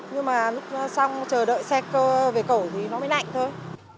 nhưng mà lúc xong chờ đợi xe về cổ thì nó mới lạnh thôi